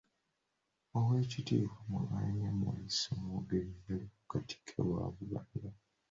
Owekitiibwa Mulwanyammuli Ssemwogwrere yaliko katikkiro wa Buganda.